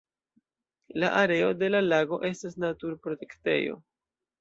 La areo de la lago estas naturprotektejo.